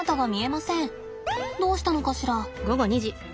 どうしたのかしら。